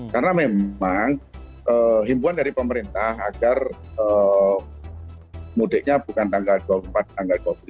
karena memang himpuan dari pemerintah agar mudiknya bukan tanggal dua puluh empat tanggal dua puluh lima